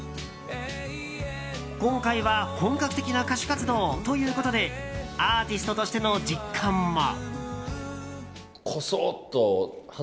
今回は本格的な歌手活動ということでアーティストとしての実感も。